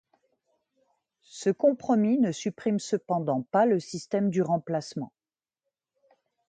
Ce compromis ne supprime cependant pas le système du remplacement.